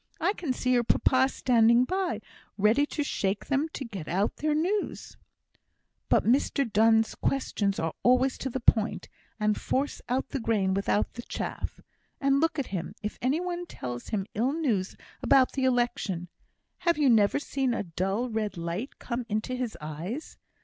I can see your papa standing by, ready to shake them to get out their news." "But Mr Donne's questions are always to the point, and force out the grain without the chaff. And look at him, if any one tells him ill news about the election! Have you never seen a dull red light come into his eyes?